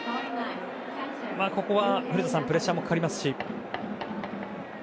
ここは古田さんプレッシャーもかかりますし。